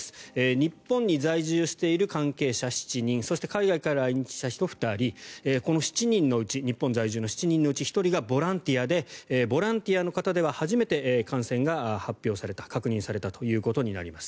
日本に在住している関係者７人そして海外から来日した人２人この７人のうち日本在住の７人のうち１人がボランティアでボランティアの方では初めて感染が確認されたことになります。